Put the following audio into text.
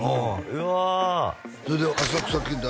うわそれで「浅草キッド」